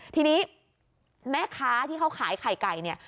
ทีนี้แม่ค้าที่เขาขายไข่ไก่เนี่ย